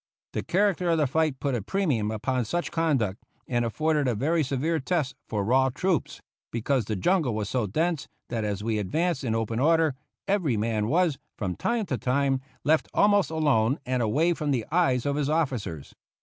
The character of the fight put a premium upon such conduct, and afforded a very severe test for raw troops; because the jungle was so dense that as we advanced in open order, every man was, from time to time, left almost alone and away from the eyes of his officers.